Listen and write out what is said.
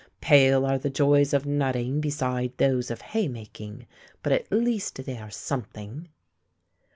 Pale are the joys of nutting beside those of haymaking, but at least they are something.